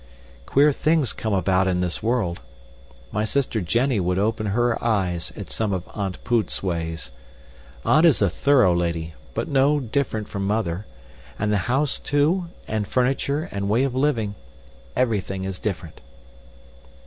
Queer things come about in this world. My sister Jenny would open her eyes at some of Aunt Poot's ways. Aunt is a thorough lady, but so different from mother and the house, too, and furniture, and way of living, everything is different."